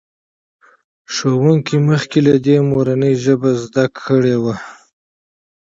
ښوونکي مخکې له دې مورنۍ ژبه زده کړې وه.